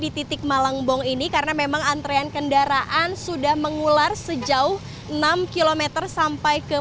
di titik malangbong ini karena memang antrean kendaraan sudah mengular sejauh enam km sampai ke